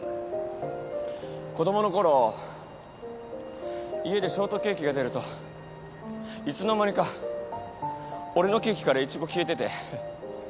子供のころ家でショートケーキが出るといつの間にか俺のケーキからイチゴ消えてて。